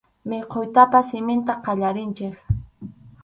Mikhuytaqa siminta qallarinchik.